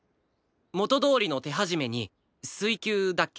元どおりの手始めに水球だっけ？